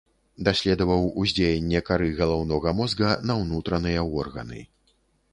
Даследаваў уздзеянне кары галаўнога мозга на ўнутраныя органы.